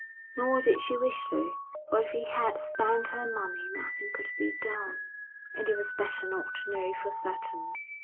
Nor did she wish to, for if he had spent her money nothing could be done, and it was better not to know for certain.